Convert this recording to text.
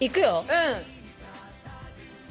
うん。